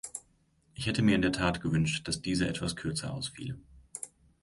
Ich hätte mir in der Tat gewünscht, dass diese etwas kürzer ausfiele.